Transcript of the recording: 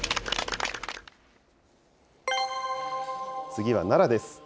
次は奈良です。